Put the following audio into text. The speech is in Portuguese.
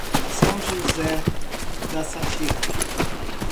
São José da Safira